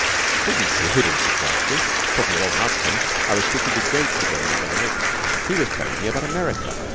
'It isn't diffidence exactly. Talking of old Nutcombe, I was speaking to Gates again the other night. He was telling me about America.